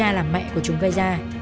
và làm mẹ của chúng gây ra